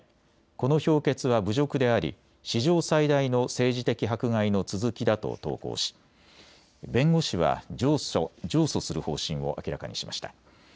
この評決は侮辱であり史上最大の政治的迫害の続きだと投稿し弁護士は上訴する方針を明らかにしました。